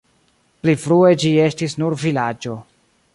Pli frue ĝi estis nur vilaĝo.